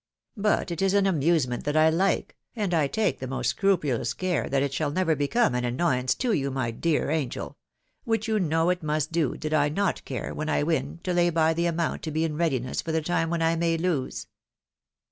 But it is an amusement that I like, and I take the most scrupulous care that it shall never become any annoyance to you, my dear angel ! which you know it must do, did I not take care, when I win, to lay by the amount to be in readiness for the time when I may lose."